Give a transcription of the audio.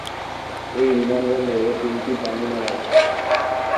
এই বিমানবন্দরে তিনটি টার্মিনাল আছে।